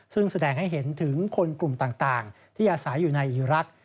ซึ่งแสดงให้เห็นถึงคนกลุ่มต่างที่อาศัยอยู่ในอีรักษ